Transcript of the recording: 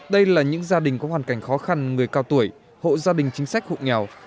đây là những gia đình có hoàn cảnh khó khăn người cao tuổi hộ gia đình chính sách hụt nghèo